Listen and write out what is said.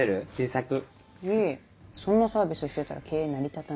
そんなサービスしてたら経営成り立たない。